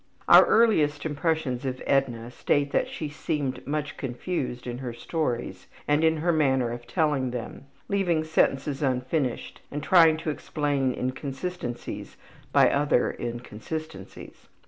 Our earliest impressions of Edna state that she seemed much confused in her stories and in her manner of telling them, leaving sentences unfinished and trying to explain inconsistencies by other inconsistencies.